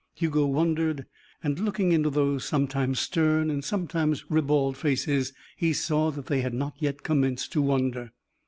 Hugo wondered, and, looking into those sometimes stern and sometimes ribald faces, he saw that they had not yet commenced to wonder.